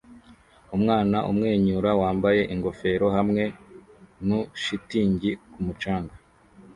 Umwana umwenyura wambaye ingofero hamwe nu shitingi ku mucanga